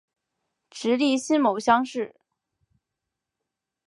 直隶辛卯乡试。